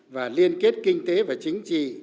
và liên kết kinh tế và chính trị